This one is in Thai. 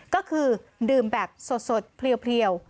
ก็คือดื่มแบบสดเพลียว